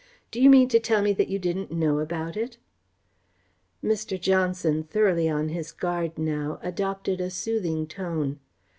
"Do you mean to tell me that you didn't know about it?" Mr. Johnson, thoroughly on his guard now, adopted a soothing tone.